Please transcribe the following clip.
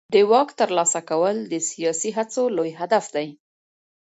د واک ترلاسه کول د سياسي هڅو لوی هدف دی.